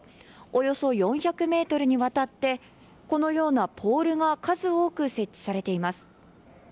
およそ４００ｍにわたってこのようなポールが数多く設置されています。